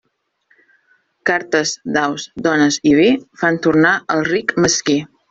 Cartes, daus, dones i vi fan tornar al ric mesquí.